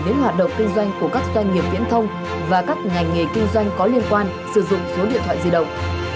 đến hoạt động kinh doanh của các doanh nghiệp viễn thông và các ngành nghề kinh doanh có liên quan sử dụng số điện thoại di động